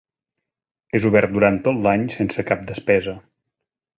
És obert al públic durant tot l'any sense cap despesa.